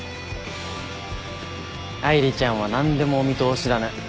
愛梨ちゃんは何でもお見通しだね。